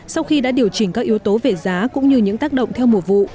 sau khi đã điều chỉnh các yếu tố về giá cũng như những tác động theo mùa vụ